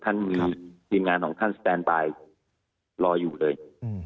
มีทีมงานของท่านสแตนบายรออยู่เลย